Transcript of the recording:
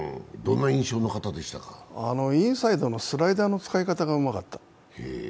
インサイドのスライダーの使い方がうまかった。